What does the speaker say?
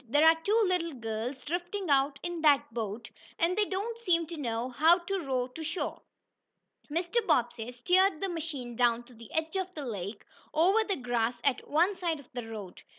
"There are two little girls drifting out in that boat, and they don't seem to know how to row to shore." Mr. Bobbsey steered the machine down to the edge of the lake, over the grass at one side of the road.